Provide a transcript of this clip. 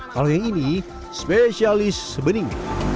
kalau yang ini spesialis bening